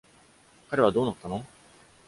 彼はどうなったの？